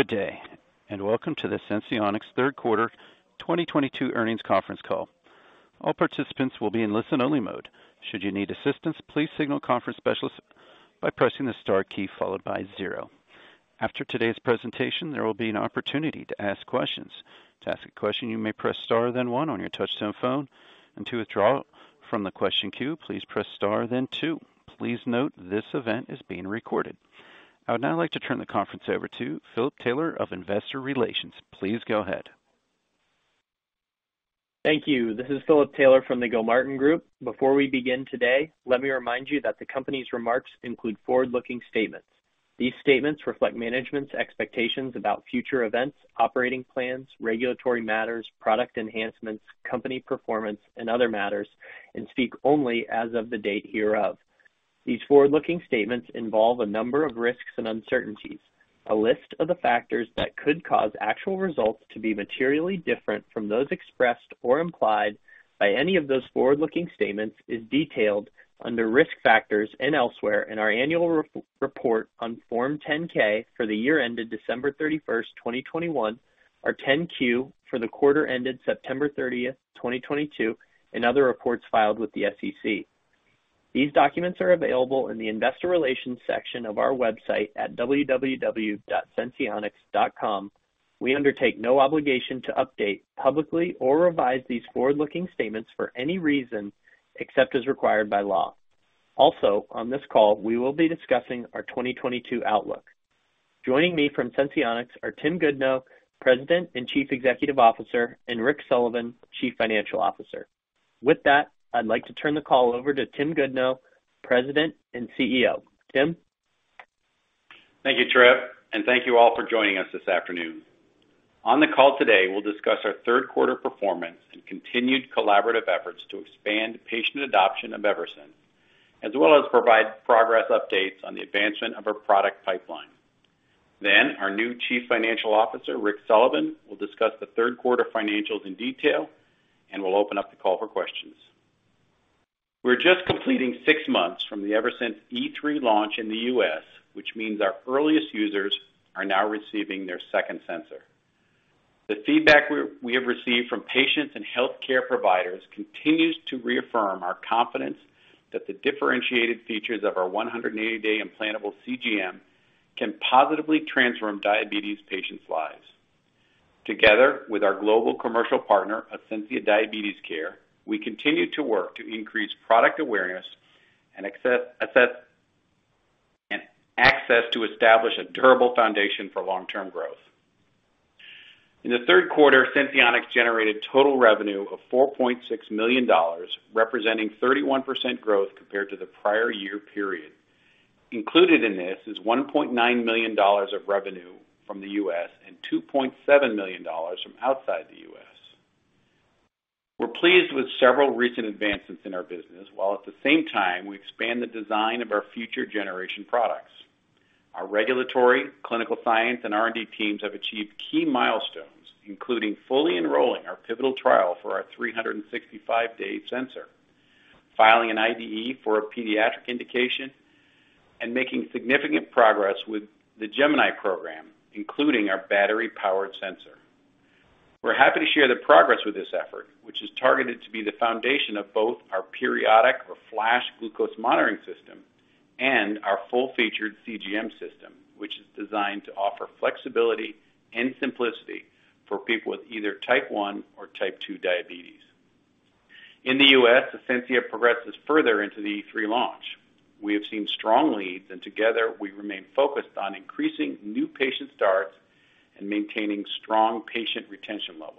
Good day, welcome to the Senseonics third quarter 2022 earnings conference call. All participants will be in listen-only mode. Should you need assistance, please signal conference specialist by pressing the star key followed by 0. After today's presentation, there will be an opportunity to ask questions. To ask a question, you may press star then 1 on your touchtone phone. To withdraw from the question queue, please press star then 2. Please note this event is being recorded. I would now like to turn the conference over to Philip Taylor of Investor Relations. Please go ahead. Thank you. This is Philip Taylor from the Gilmartin Group. Before we begin today, let me remind you that the company's remarks include forward-looking statements. These statements reflect management's expectations about future events, operating plans, regulatory matters, product enhancements, company performance, and other matters, and speak only as of the date hereof. These forward-looking statements involve a number of risks and uncertainties. A list of the factors that could cause actual results to be materially different from those expressed or implied by any of those forward-looking statements is detailed under Risk Factors and elsewhere in our annual report on Form 10-K for the year ended December 31, 2021, our 10-Q for the quarter ended September 30, 2022, and other reports filed with the SEC. These documents are available in the investor relations section of our website at www.senseonics.com. We undertake no obligation to update publicly or revise these forward-looking statements for any reason except as required by law. Also, on this call, we will be discussing our 2022 outlook. Joining me from Senseonics are Tim Goodnow, President and Chief Executive Officer, and Rick Sullivan, Chief Financial Officer. With that, I'd like to turn the call over to Tim Goodnow, President and CEO. Tim? Thank you, Philip. Thank you all for joining us this afternoon. On the call today, we'll discuss our third quarter performance and continued collaborative efforts to expand patient adoption of Eversense, as well as provide progress updates on the advancement of our product pipeline. Our new Chief Financial Officer, Rick Sullivan, will discuss the third quarter financials in detail, and we'll open up the call for questions. We're just completing 6 months from the Eversense E3 launch in the U.S., which means our earliest users are now receiving their second sensor. The feedback we have received from patients and healthcare providers continues to reaffirm our confidence that the differentiated features of our 180-day implantable CGM can positively transform diabetes patients' lives. Together with our global commercial partner, Ascensia Diabetes Care, we continue to work to increase product awareness and access to establish a durable foundation for long-term growth. In the third quarter, Senseonics generated total revenue of $4.6 million, representing 31% growth compared to the prior year period. Included in this is $1.9 million of revenue from the U.S. and $2.7 million from outside the U.S. We're pleased with several recent advancements in our business, while at the same time, we expand the design of our future generation products. Our regulatory, clinical science, and R&D teams have achieved key milestones, including fully enrolling our pivotal trial for our 365-day sensor, filing an IDE for a pediatric indication, and making significant progress with the Gemini program, including our battery-powered sensor. We're happy to share the progress with this effort, which is targeted to be the foundation of both our periodic or flash glucose monitoring system and our full-featured CGM system, which is designed to offer flexibility and simplicity for people with either type 1 or type 2 diabetes. In the U.S., Ascensia progresses further into the E3 launch. We have seen strong leads, and together we remain focused on increasing new patient starts and maintaining strong patient retention levels.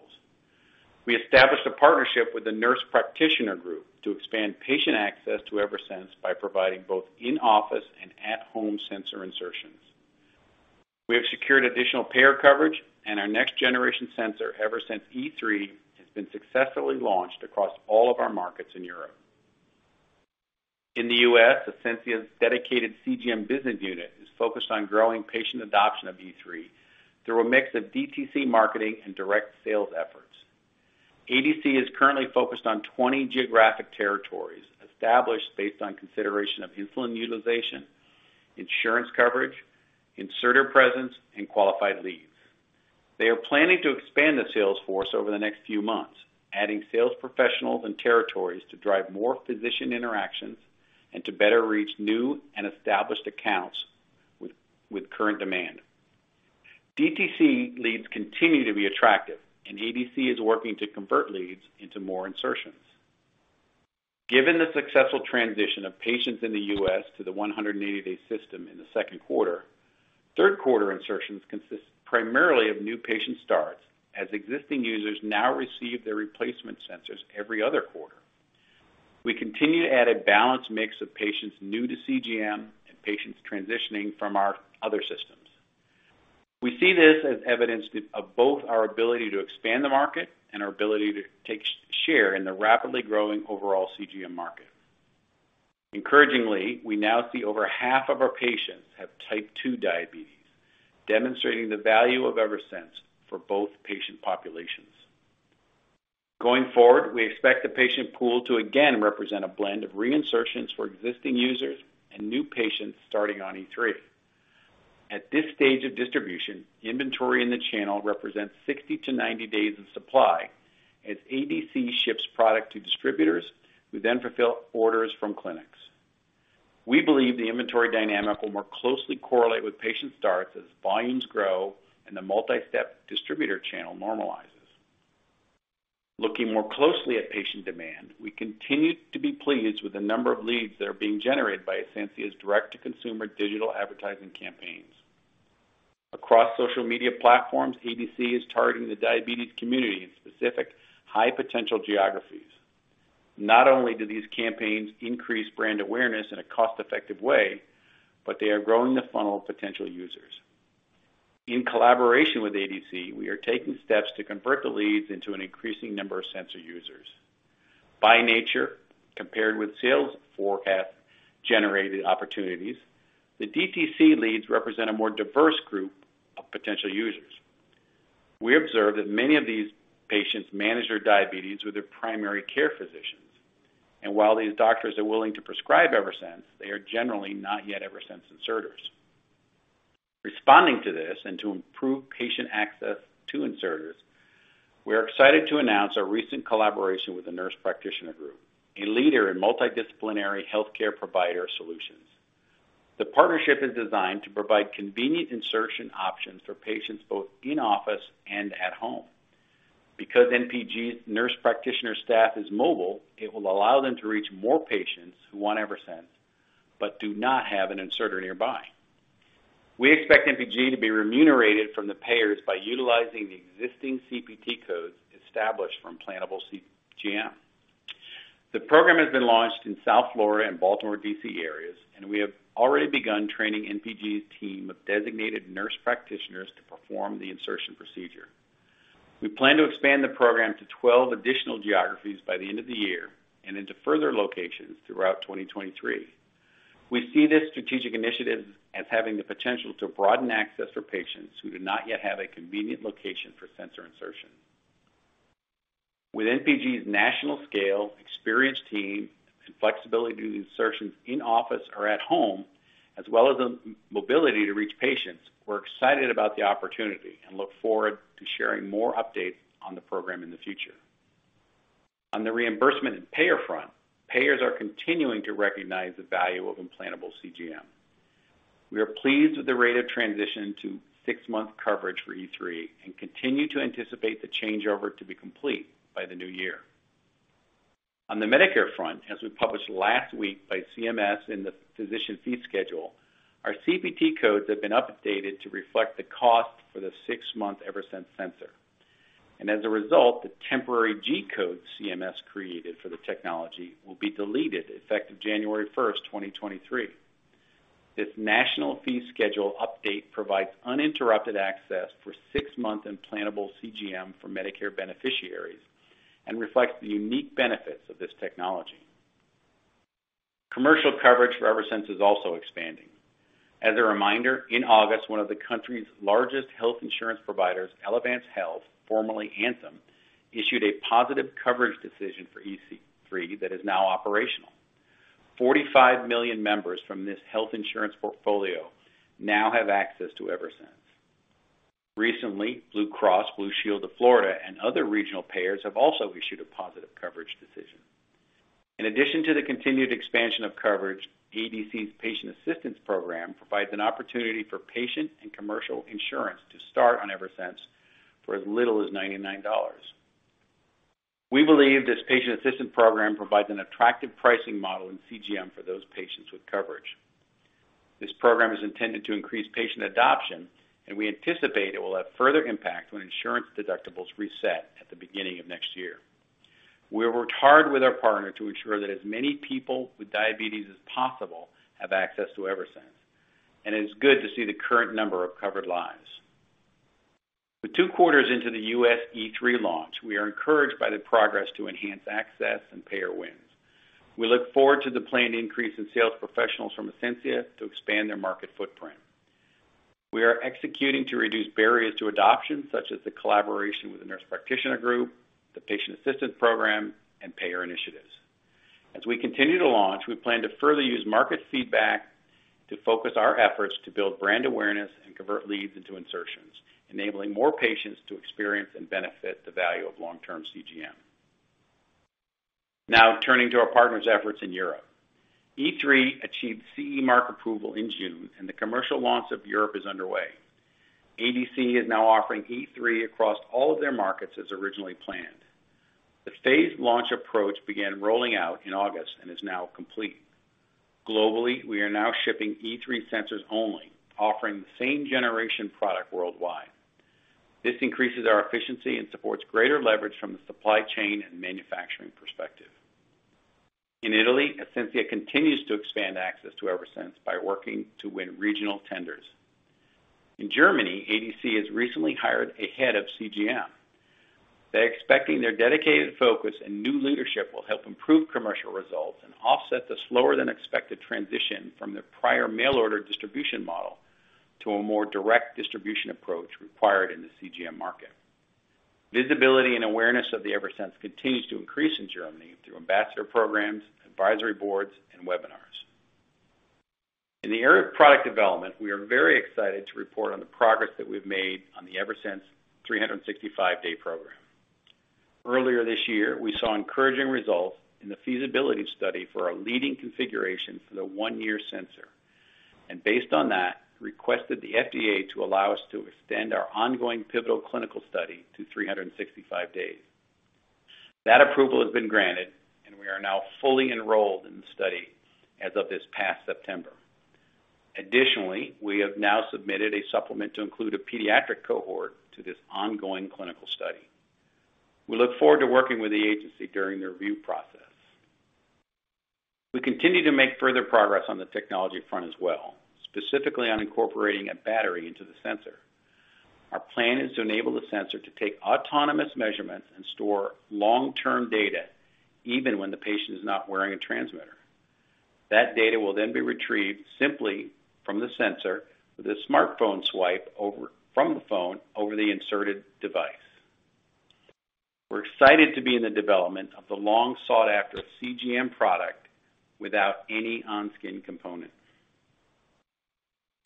We established a partnership with the Nurse Practitioner Group to expand patient access to Eversense by providing both in-office and at-home sensor insertions. We have secured additional payer coverage and our next generation sensor, Eversense E3, has been successfully launched across all of our markets in Europe. In the U.S., Ascensia's dedicated CGM business unit is focused on growing patient adoption of E3 through a mix of DTC marketing and direct sales efforts. ADC is currently focused on 20 geographic territories established based on consideration of insulin utilization, insurance coverage, inserter presence, and qualified leads. They are planning to expand the sales force over the next few months, adding sales professionals and territories to drive more physician interactions and to better reach new and established accounts with current demand. DTC leads continue to be attractive, and ADC is working to convert leads into more insertions. Given the successful transition of patients in the U.S. to the 180-day system in the second quarter, third quarter insertions consist primarily of new patient starts as existing users now receive their replacement sensors every other quarter. We continue to add a balanced mix of patients new to CGM and patients transitioning from our other systems. We see this as evidence of both our ability to expand the market and our ability to take share in the rapidly growing overall CGM market. Encouragingly, we now see over half of our patients have type 2 diabetes, demonstrating the value of Eversense for both patient populations. Going forward, we expect the patient pool to again represent a blend of reinsertions for existing users and new patients starting on E3. At this stage of distribution, inventory in the channel represents 60-90 days of supply as ADC ships product to distributors who then fulfill orders from clinics. We believe the inventory dynamic will more closely correlate with patient starts as volumes grow and the multi-step distributor channel normalizes. Looking more closely at patient demand, we continue to be pleased with the number of leads that are being generated by Ascensia's direct-to-consumer digital advertising campaigns. Across social media platforms, ADC is targeting the diabetes community in specific high-potential geographies. Not only do these campaigns increase brand awareness in a cost-effective way, but they are growing the funnel of potential users. In collaboration with ADC, we are taking steps to convert the leads into an increasing number of sensor users. By nature, compared with sales forecast-generated opportunities, the DTC leads represent a more diverse group of potential users. We observed that many of these patients manage their diabetes with their primary care physicians, and while these doctors are willing to prescribe Eversense, they are generally not yet Eversense inserters. Responding to this, and to improve patient access to inserters, we are excited to announce our recent collaboration with the Nurse Practitioner Group, a leader in multidisciplinary healthcare provider solutions. The partnership is designed to provide convenient insertion options for patients both in-office and at home. Because NPG's nurse practitioner staff is mobile, it will allow them to reach more patients who want Eversense but do not have an inserter nearby. We expect NPG to be remunerated from the payers by utilizing the existing CPT codes established for implantable CGM. The program has been launched in South Florida and Baltimore, D.C., areas, and we have already begun training NPG's team of designated nurse practitioners to perform the insertion procedure. We plan to expand the program to 12 additional geographies by the end of the year and into further locations throughout 2023. We see this strategic initiative as having the potential to broaden access for patients who do not yet have a convenient location for sensor insertion. With NPG's national scale, experienced team, and flexibility to do the insertions in office or at home, as well as the mobility to reach patients, we're excited about the opportunity and look forward to sharing more updates on the program in the future. On the reimbursement and payer front, payers are continuing to recognize the value of implantable CGM. We are pleased with the rate of transition to six-month coverage for E3 and continue to anticipate the changeover to be complete by the new year. On the Medicare front, as we published last week by CMS in the physician fee schedule, our CPT codes have been updated to reflect the cost for the six-month Eversense sensor. As a result, the temporary G-code CMS created for the technology will be deleted effective January 1st, 2023. This national fee schedule update provides uninterrupted access for six-month implantable CGM for Medicare beneficiaries and reflects the unique benefits of this technology. Commercial coverage for Eversense is also expanding. As a reminder, in August, one of the country's largest health insurance providers, Elevance Health, formerly Anthem, issued a positive coverage decision for E3 that is now operational. 45 million members from this health insurance portfolio now have access to Eversense. Recently, Blue Cross and Blue Shield of Florida and other regional payers have also issued a positive coverage decision. In addition to the continued expansion of coverage, ADC's patient assistance program provides an opportunity for patient and commercial insurance to start on Eversense for as little as $99. We believe this patient assistance program provides an attractive pricing model in CGM for those patients with coverage. This program is intended to increase patient adoption, and we anticipate it will have further impact when insurance deductibles reset at the beginning of next year. We have worked hard with our partner to ensure that as many people with diabetes as possible have access to Eversense, and it is good to see the current number of covered lives. With two quarters into the U.S. E3 launch, we are encouraged by the progress to enhance access and payer wins. We look forward to the planned increase in sales professionals from Ascensia to expand their market footprint. We are executing to reduce barriers to adoption, such as the collaboration with the Nurse Practitioner Group, the patient assistance program, and payer initiatives. As we continue to launch, we plan to further use market feedback to focus our efforts to build brand awareness and convert leads into insertions, enabling more patients to experience and benefit the value of long-term CGM. Now turning to our partner's efforts in Europe. E3 achieved CE mark approval in June. The commercial launch of Europe is underway. ADC is now offering E3 across all of their markets as originally planned. The phased launch approach began rolling out in August and is now complete. Globally, we are now shipping E3 sensors only, offering the same generation product worldwide. This increases our efficiency and supports greater leverage from the supply chain and manufacturing perspective. In Italy, Ascensia continues to expand access to Eversense by working to win regional tenders. In Germany, ADC has recently hired a head of CGM. They're expecting their dedicated focus and new leadership will help improve commercial results and offset the slower-than-expected transition from their prior mail order distribution model to a more direct distribution approach required in the CGM market. Visibility and awareness of the Eversense continues to increase in Germany through ambassador programs, advisory boards, and webinars. In the area of product development, we are very excited to report on the progress that we've made on the Eversense 365-day program. Earlier this year, we saw encouraging results in the feasibility study for a leading configuration for the one-year sensor. Based on that, requested the FDA to allow us to extend our ongoing pivotal clinical study to 365 days. That approval has been granted. We are now fully enrolled in the study as of this past September. Additionally, we have now submitted a supplement to include a pediatric cohort to this ongoing clinical study. We look forward to working with the agency during their review process. We continue to make further progress on the technology front as well, specifically on incorporating a battery into the sensor. Our plan is to enable the sensor to take autonomous measurements and store long-term data even when the patient is not wearing a transmitter. That data will then be retrieved simply from the sensor with a smartphone swipe from the phone over the inserted device. We're excited to be in the development of the long-sought-after CGM product without any on-skin components.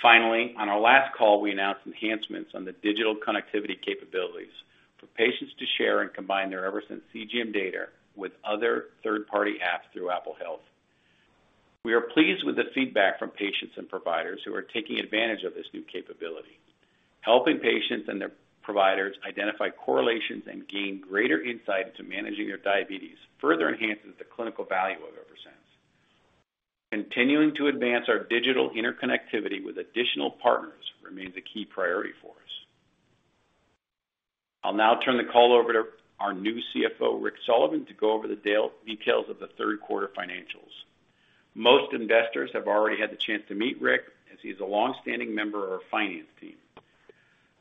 Finally, on our last call, we announced enhancements on the digital connectivity capabilities for patients to share and combine their Eversense CGM data with other third-party apps through Apple Health. We are pleased with the feedback from patients and providers who are taking advantage of this new capability. Helping patients and their providers identify correlations and gain greater insight into managing their diabetes further enhances the clinical value of Eversense. Continuing to advance our digital interconnectivity with additional partners remains a key priority for us. I'll now turn the call over to our new CFO, Rick Sullivan, to go over the details of the third-quarter financials. Most investors have already had the chance to meet Rick, as he's a longstanding member of our finance team.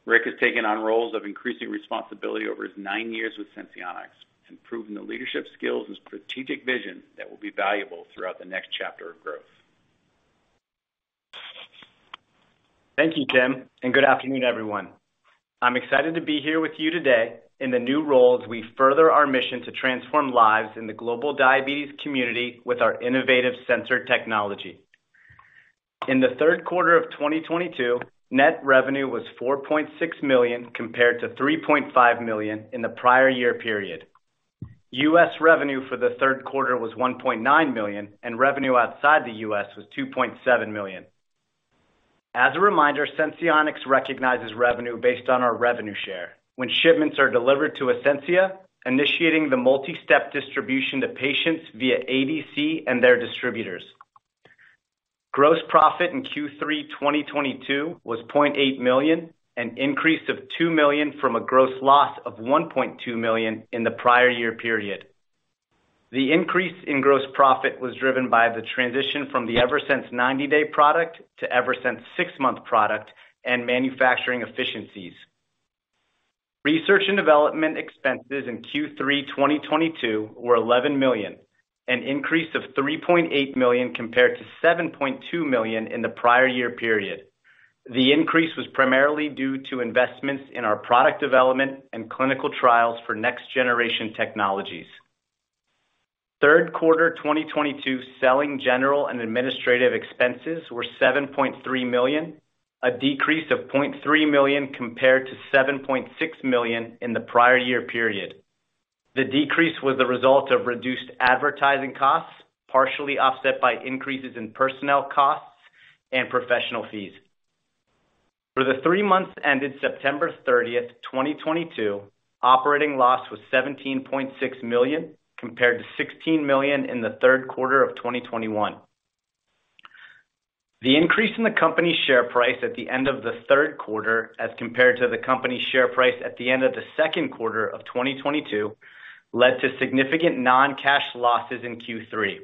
Rick has taken on roles of increasing responsibility over his nine years with Senseonics, improving the leadership skills and strategic vision that will be valuable throughout the next chapter of growth. Thank you, Tim, and good afternoon, everyone. I'm excited to be here with you today in the new role as we further our mission to transform lives in the global diabetes community with our innovative sensor technology. In the third quarter of 2022, net revenue was $4.6 million, compared to $3.5 million in the prior year period. U.S. revenue for the third quarter was $1.9 million, and revenue outside the U.S. was $2.7 million. As a reminder, Senseonics recognizes revenue based on our revenue share when shipments are delivered to Ascensia, initiating the multi-step distribution to patients via ADC and their distributors. Gross profit in Q3 2022 was $0.8 million, an increase of $2 million from a gross loss of $1.2 million in the prior year period. The increase in gross profit was driven by the transition from the Eversense 90-day product to Eversense six-month product and manufacturing efficiencies. Research and development expenses in Q3 2022 were $11 million, an increase of $3.8 million compared to $7.2 million in the prior year period. The increase was primarily due to investments in our product development and clinical trials for next-generation technologies. Third quarter 2022 selling, general, and administrative expenses were $7.3 million, a decrease of $0.3 million compared to $7.6 million in the prior year period. The decrease was the result of reduced advertising costs, partially offset by increases in personnel costs and professional fees. For the three months ended September 30th, 2022, operating loss was $17.6 million, compared to $16 million in the third quarter of 2021. The increase in the company's share price at the end of the third quarter as compared to the company's share price at the end of the second quarter of 2022 led to significant non-cash losses in Q3.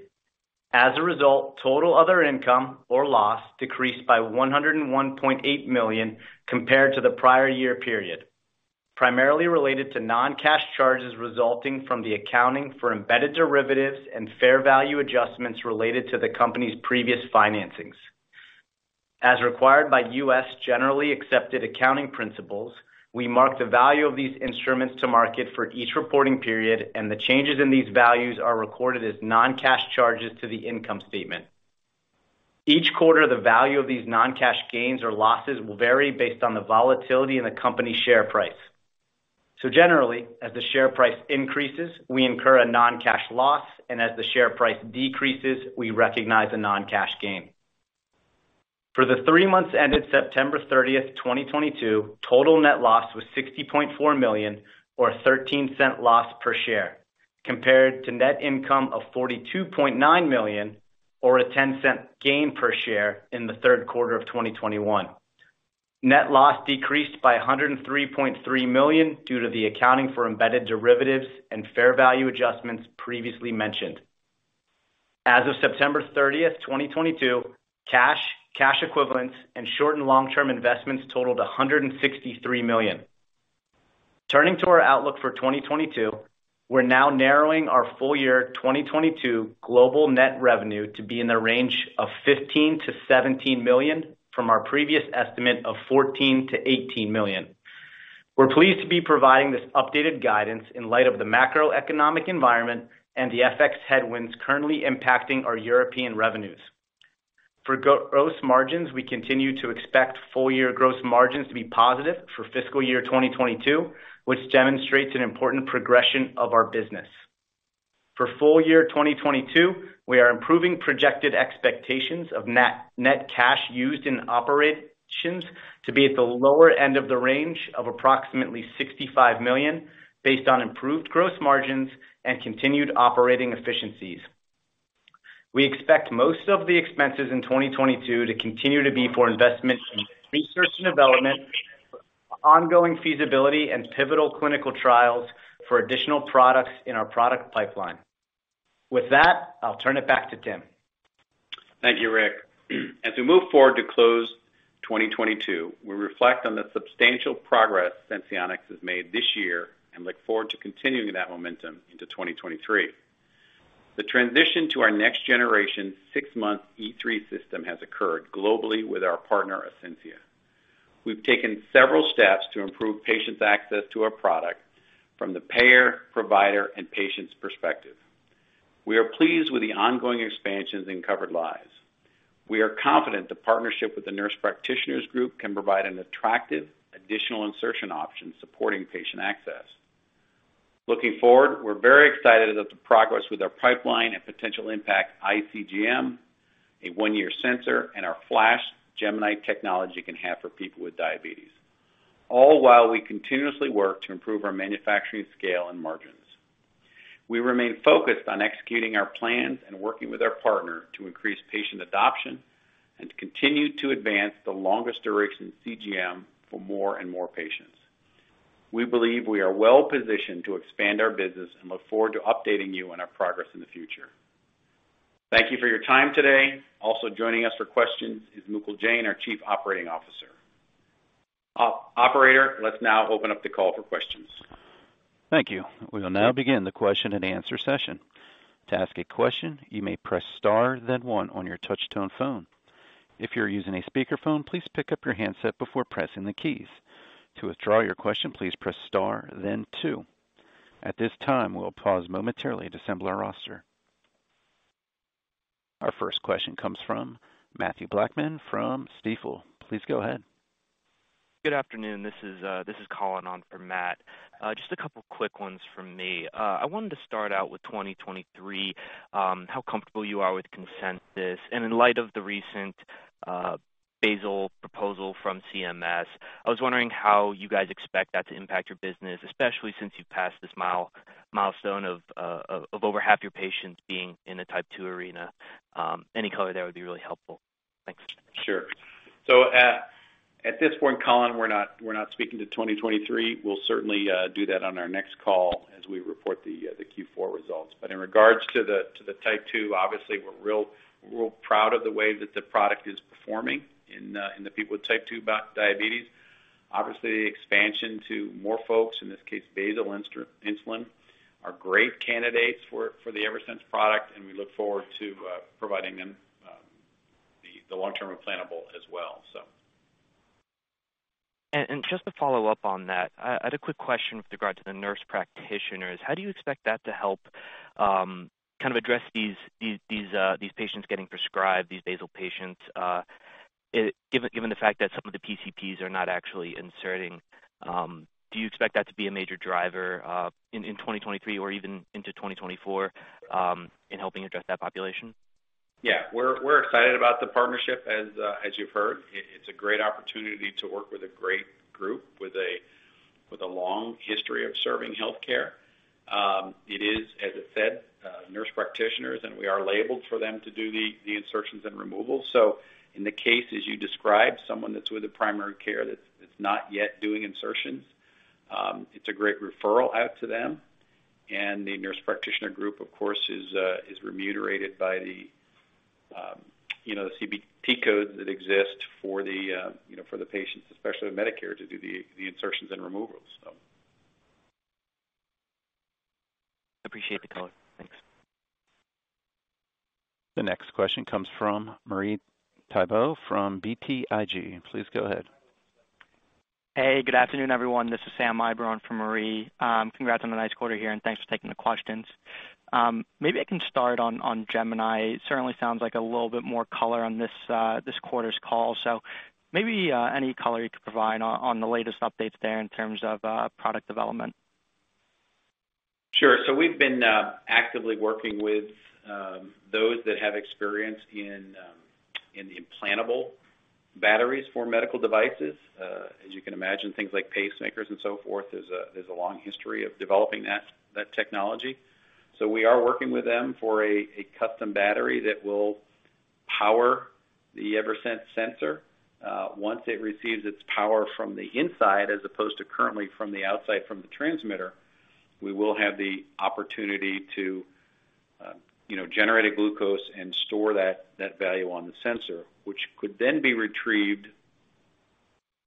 As a result, total other income or loss decreased by $101.8 million compared to the prior year period, primarily related to non-cash charges resulting from the accounting for embedded derivatives and fair value adjustments related to the company's previous financings. As required by U.S. generally accepted accounting principles, we mark the value of these instruments to market for each reporting period, and the changes in these values are recorded as non-cash charges to the income statement. Generally, as the share price increases, we incur a non-cash loss, and as the share price decreases, we recognize a non-cash gain. For the three months ended September 30, 2022, total net loss was $60.4 million or a $0.13 loss per share, compared to net income of $42.9 million or a $0.10 gain per share in the third quarter of 2021. Net loss decreased by $103.3 million due to the accounting for embedded derivatives and fair value adjustments previously mentioned. As of September 30, 2022, cash equivalents, and short- and long-term investments totaled $163 million. Turning to our outlook for 2022, we are now narrowing our full year 2022 global net revenue to be in the range of $15 million-$17 million from our previous estimate of $14 million-$18 million. We are pleased to be providing this updated guidance in light of the macroeconomic environment and the FX headwinds currently impacting our European revenues. For gross margins, we continue to expect full year gross margins to be positive for fiscal year 2022, which demonstrates an important progression of our business. For full year 2022, we are improving projected expectations of net cash used in operations to be at the lower end of the range of approximately $65 million, based on improved gross margins and continued operating efficiencies. We expect most of the expenses in 2022 to continue to be for investment in research and development, ongoing feasibility, and pivotal clinical trials for additional products in our product pipeline. With that, I will turn it back to Tim. Thank you, Rick. As we move forward to close 2022, we reflect on the substantial progress Senseonics has made this year, and look forward to continuing that momentum into 2023. The transition to our next generation 6-month Eversense E3 system has occurred globally with our partner, Ascensia. We have taken several steps to improve patients' access to our product from the payer, provider, and patients perspective. We are pleased with the ongoing expansions in covered lives. We are confident the partnership with the Nurse Practitioner Group can provide an attractive additional insertion option supporting patient access. Looking forward, we are very excited at the progress with our pipeline and potential impact iCGM, a 1-year sensor, and our flash Gemini technology can have for people with diabetes, all while we continuously work to improve our manufacturing scale and margins. We remain focused on executing our plans and working with our partner to increase patient adoption and to continue to advance the longest duration CGM for more and more patients. We believe we are well-positioned to expand our business and look forward to updating you on our progress in the future. Thank you for your time today. Also joining us for questions is Mukul Jain, our Chief Operating Officer. Operator, let us now open up the call for questions. Thank you. We will now begin the question and answer session. To ask a question, you may press star then one on your touch tone phone. If you're using a speakerphone, please pick up your handset before pressing the keys. To withdraw your question, please press star then two. At this time, we'll pause momentarily to assemble our roster. Our first question comes from Mathew Blackman from Stifel. Please go ahead. Good afternoon. This is Colin on for Matt. Just a couple quick ones from me. I wanted to start out with 2023, how comfortable you are with consensus. In light of the recent basal proposal from CMS, I was wondering how you guys expect that to impact your business, especially since you've passed this milestone of over half your patients being in the type 2 arena. Any color there would be really helpful. Thanks. Sure. At this point, Colin, we're not speaking to 2023. We'll certainly do that on our next call as we report the Q4 results. In regards to the type 2, obviously we're real proud of the way that the product is performing in the people with type 2 diabetes. Obviously, expansion to more folks, in this case, basal insulin, are great candidates for the Eversense product. We look forward to providing them the long-term implantable as well. Just to follow up on that, I had a quick question with regard to the nurse practitioners. How do you expect that to help address these patients getting prescribed, these basal patients? Given the fact that some of the PCPs are not actually inserting, do you expect that to be a major driver in 2023 or even into 2024 in helping address that population? Yeah. We're excited about the partnership, as you've heard. It's a great opportunity to work with a great group with a long history of serving healthcare. It is, as it said, nurse practitioners, and we are labeled for them to do the insertions and removals. So in the cases you described, someone that's with the primary care that's not yet doing insertions, it's a great referral out to them, and the Nurse Practitioner Group, of course, is remunerated by the CPT codes that exist for the patients, especially with Medicare, to do the insertions and removals. Appreciate the color. Thanks. The next question comes from Marie Thibault from BTIG. Please go ahead. Hey, good afternoon, everyone. This is Sam Eiber for Marie. Congrats on the nice quarter here, and thanks for taking the questions. Maybe I can start on Gemini. Certainly sounds like a little bit more color on this quarter's call. Maybe any color you could provide on the latest updates there in terms of product development? We've been actively working with those that have experience in the implantable batteries for medical devices. As you can imagine, things like pacemakers and so forth, there's a long history of developing that technology. We are working with them for a custom battery that will power the Eversense sensor. Once it receives its power from the inside as opposed to currently from the outside from the transmitter, we will have the opportunity to generate a glucose and store that value on the sensor, which could then be retrieved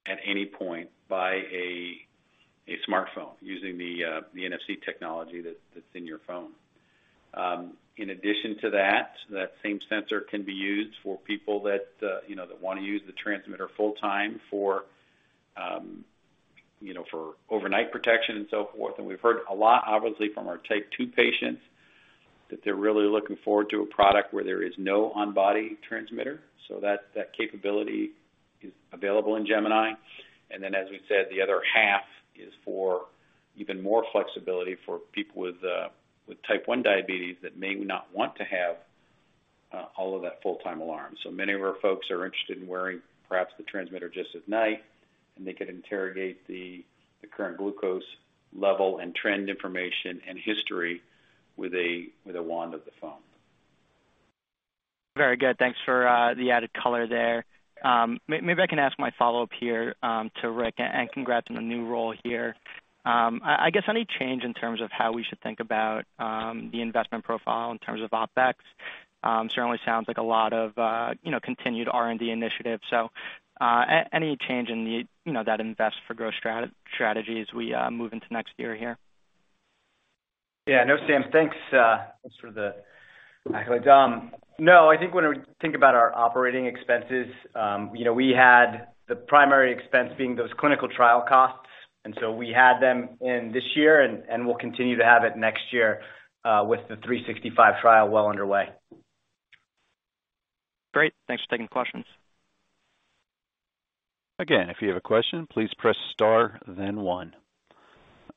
at any point by a smartphone using the NFC technology that's in your phone. In addition to that same sensor can be used for people that want to use the transmitter full-time for overnight protection and so forth. We've heard a lot, obviously, from our Type 2 patients, that they're really looking forward to a product where there is no on-body transmitter. That capability is available in Gemini. As we said, the other half is for even more flexibility for people with Type 1 diabetes that may not want to have all of that full-time alarm. Many of our folks are interested in wearing perhaps the transmitter just at night, and they could interrogate the current glucose level and trend information and history with a wand of the phone. Very good. Thanks for the added color there. Maybe I can ask my follow-up here to Rick, and congrats on the new role here. I guess any change in terms of how we should think about the investment profile in terms of OpEx? Certainly sounds like a lot of continued R&D initiatives. Any change in that invest for growth strategy as we move into next year here? Yeah. No, Sam, thanks for the accolades. I think when we think about our operating expenses, we had the primary expense being those clinical trial costs. We had them in this year, and we'll continue to have it next year with the 365 trial well underway. Great. Thanks for taking questions. Again, if you have a question, please press star then one.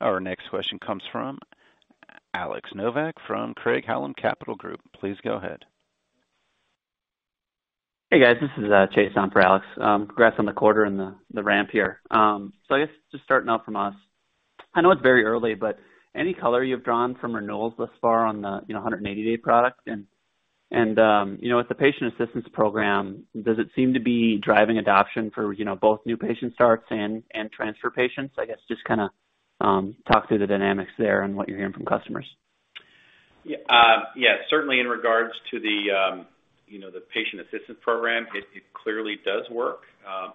Our next question comes from Alexander Novak from Craig-Hallum Capital Group. Please go ahead. Hey, guys. This is Chase on for Alex. Congrats on the quarter and the ramp here. I guess just starting off from us, I know it's very early, but any color you've drawn from renewals thus far on the 180-day product? With the patient assistance program, does it seem to be driving adoption for both new patient starts and transfer patients? I guess just kind of talk through the dynamics there and what you're hearing from customers. Yes. Certainly in regards to the patient assistance program, it clearly does work.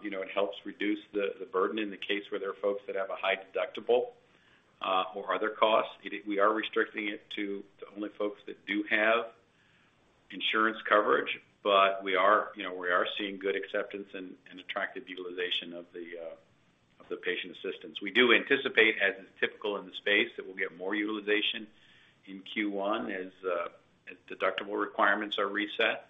It helps reduce the burden in the case where there are folks that have a high deductible or other costs. We are restricting it to only folks that do have insurance coverage, but we are seeing good acceptance and attractive utilization of the patient assistance. We do anticipate, as is typical in the space, that we'll get more utilization in Q1 as deductible requirements are reset.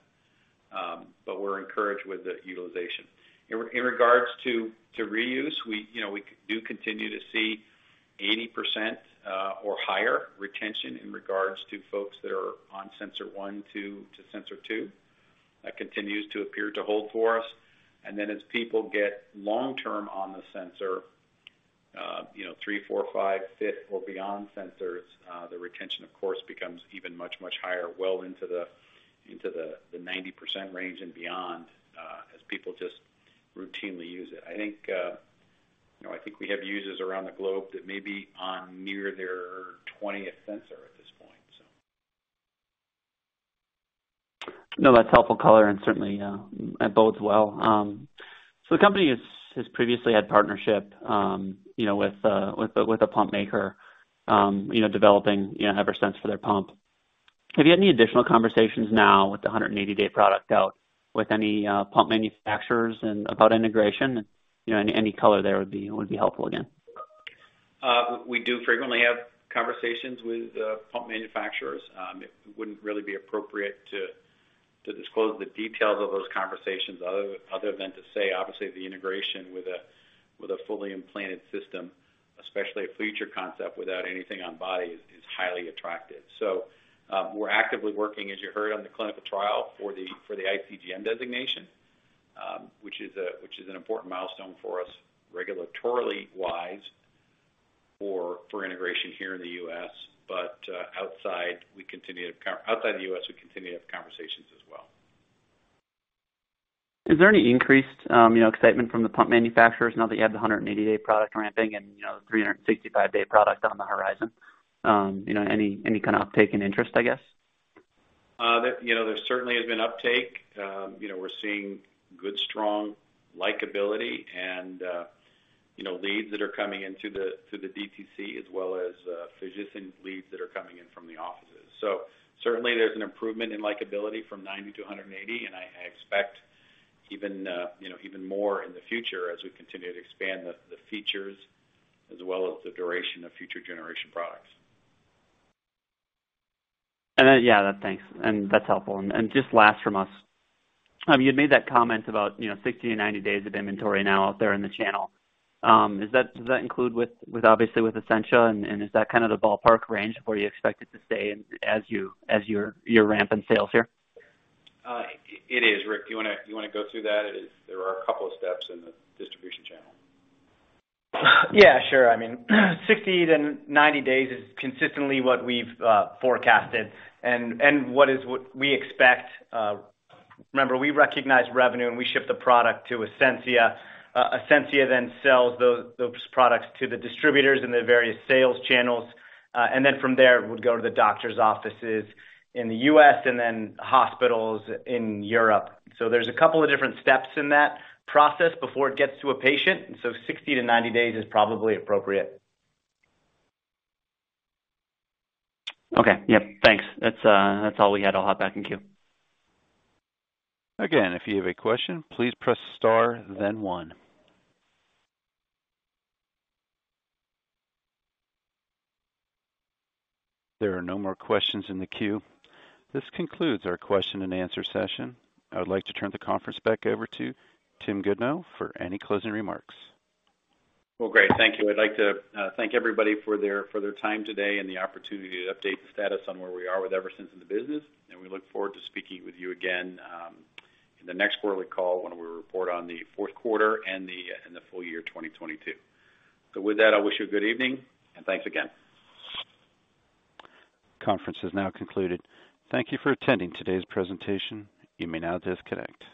We're encouraged with the utilization. In regards to reuse, we do continue to see 80% or higher retention in regards to folks that are on sensor one to sensor two. That continues to appear to hold for us. As people get long-term on the sensor, three, four, five, fifth or beyond sensors, the retention, of course, becomes even much, much higher, well into the 90% range and beyond, as people just routinely use it. I think we have users around the globe that may be on near their 20th sensor at this point. No, that's helpful color and certainly, it bodes well. The company has previously had partnership with a pump maker developing Eversense for their pump. Have you had any additional conversations now with the 180-day product out with any pump manufacturers and about integration? Any color there would be helpful again. We do frequently have conversations with pump manufacturers. It wouldn't really be appropriate to disclose the details of those conversations other than to say, obviously, the integration with a fully implanted system, especially a future concept without anything on body, is highly attractive. We're actively working, as you heard, on the clinical trial for the iCGM designation, which is an important milestone for us regulatorily-wise for integration here in the U.S. Outside the U.S., we continue to have conversations as well. Is there any increased excitement from the pump manufacturers now that you have the 180-day product ramping and the 365-day product on the horizon? Any kind of uptake in interest, I guess? There certainly has been uptake. We're seeing good, strong likability and leads that are coming in to the DTC, as well as physician leads that are coming in from the offices. Certainly, there's an improvement in likability from 90-180, and I expect even more in the future as we continue to expand the features as well as the duration of future generation products. Thanks, that's helpful. Just last from us. You had made that comment about 60-90 days of inventory now out there in the channel. Does that include obviously with Ascensia, and is that kind of the ballpark range of where you expect it to stay as you ramp in sales here? It is. Rick, you want to go through that? There are a couple of steps in the distribution channel. Sure. I mean, 60-90 days is consistently what we've forecasted and what we expect. Remember, we recognize revenue, and we ship the product to Ascensia. Ascensia then sells those products to the distributors in the various sales channels. From there, it would go to the doctor's offices in the U.S. and then hospitals in Europe. There's a couple of different steps in that process before it gets to a patient. 60-90 days is probably appropriate. Okay. Yep. Thanks. That's all we had. I'll hop back in queue. If you have a question, please press star then one. There are no more questions in the queue. This concludes our question and answer session. I would like to turn the conference back over to Tim Goodnow for any closing remarks. Well, great. Thank you. I'd like to thank everybody for their time today and the opportunity to update the status on where we are with Eversense in the business, and we look forward to speaking with you again in the next quarterly call when we report on the fourth quarter and the full year 2022. With that, I wish you a good evening, and thanks again. Conference is now concluded. Thank you for attending today's presentation. You may now disconnect.